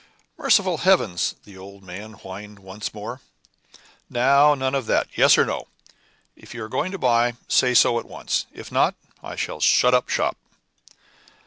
"Merciful heavens!" the old man whined once more. "Now, none of that! Yes or no? If you are going to buy, say so at once; if not, I shall shut up shop."